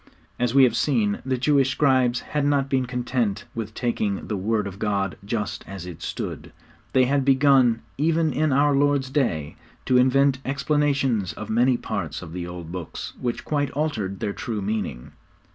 As we have seen, the Jewish scribes had not been content with taking the Word of God just as it stood; they had begun, even in our Lord's day, to invent explanations of many parts of the old Books which quite altered their true meaning.